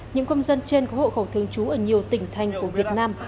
những công dân trên có hộ khẩu thương chú ở nhiều tỉnh thành của việt nam